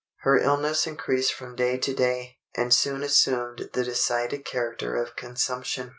Her illness increased from day to day, and soon assumed the decided character of consumption.